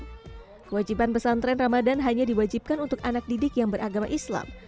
kewajiban pesantren ramadan hanya diwajibkan untuk anak didik yang beragama islam